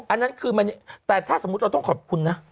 อันนั้นคือมันแต่ถ้าสมมุติเราต้องขอบคุณนะ